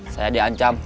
saya di ancam